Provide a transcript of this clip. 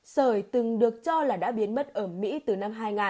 sởi từng được cho là đã biến mất ở mỹ từ năm hai nghìn